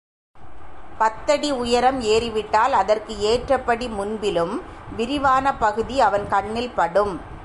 பத்தடி உயரம் ஏறிவிட்டால் அதற்கு ஏற்றபடி முன்பிலும் விரிவான பகுதி அவன் கண்ணில் படும்.